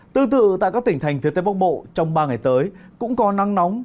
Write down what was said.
tương tự tại các tỉnh thành phía tây bắc bộ trong ba ngày tới cũng có nắng nóng